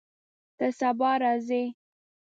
ته سبا راځې؟